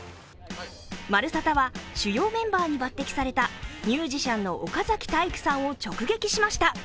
「まるサタ」は主要メンバーに抜てきされたミュージシャンの岡崎体育さんを直撃しました。